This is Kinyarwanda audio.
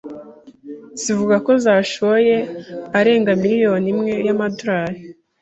zivuga ko zashoye arenga miliyari imwe y'amadorari